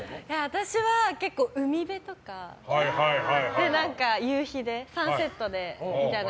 私は結構海辺とかで夕日で、サンセットでみたいな。